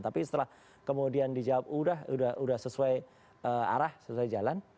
tapi setelah kemudian dijawab udah sesuai arah sesuai jalan